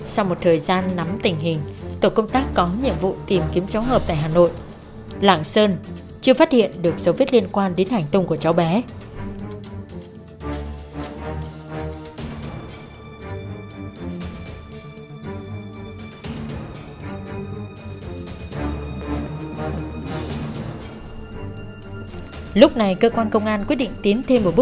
sau một thời gian nắm tình hình tổ công tác có nhiệm vụ tìm kiếm cháu hợp tại hà nội lạng sơn chưa phát hiện được dấu viết liên quan đến hành tùng của cháu bé